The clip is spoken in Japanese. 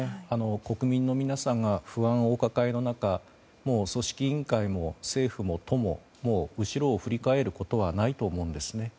国民の皆さんが不安をお抱えの中組織委員会も政府も都も後ろを振り返ることはないと思うんですね。